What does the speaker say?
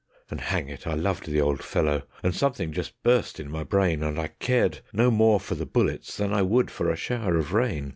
And hang it! I loved the old fellow, and something just burst in my brain, And I cared no more for the bullets than I would for a shower of rain.